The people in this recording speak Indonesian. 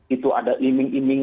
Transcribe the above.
itu ada iming iming